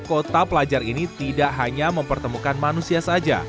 kota pelajar ini tidak hanya mempertemukan manusia saja